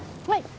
はい。